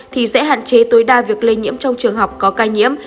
thì sẽ hạn chế tối đa việc lây nhiễm trong trường học có ca nhiễm